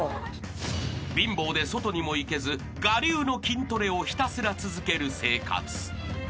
［貧乏で外にも行けず我流の筋トレをひたすら続ける生活］